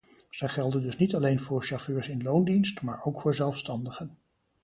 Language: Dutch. Zij gelden dus niet alleen voor chauffeurs in loondienst, maar ook voor zelfstandigen.